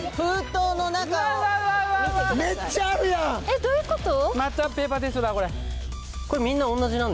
え、どういうこと？